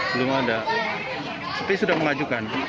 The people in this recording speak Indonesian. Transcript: belum ada tapi sudah mengajukan